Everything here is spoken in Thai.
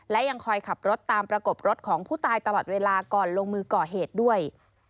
และยังคอยขับรถตามประกบรถของผู้ตายตลอดเวลาก่อนลงมือก่อเหตุด้วย